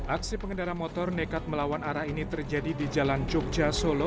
aksi pengendara motor nekat melawan arah ini terjadi di jalan jogja solo